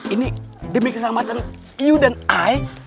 ini demi keselamatan you dan i